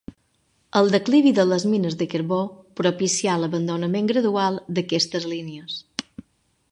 El declivi de les mines de carbó propicià l'abandonament gradual d"aquestes línies.